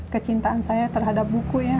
kecintaan saya terhadap buku ya